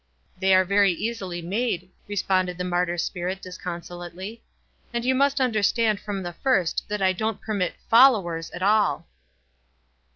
"The} r are very easily made," responded the martyr spirit, disconsolately. " And you must understand from the first that I don't permit fol lowers at all."